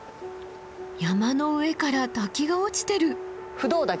山の上から滝が落ちてる。